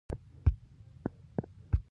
د ناجو ونې تل شنې وي؟